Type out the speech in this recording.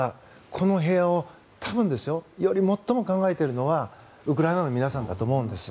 この平和を多分より最も考えているのはウクライナの皆さんだと思うんです。